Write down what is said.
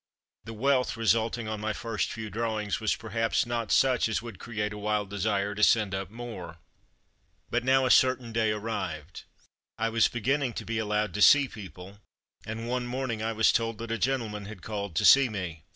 The wealth resulting on my first few drawings was perhaps not such as would create a wild desire to "send up" more. 6 From Mud to Mufti But now a certain day arrived. I was beginning to be allowed to see people, and one morning I was told that a gentleman had called to see me.